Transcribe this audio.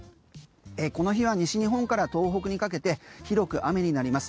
この日は西日本から東北にかけて広く雨になります。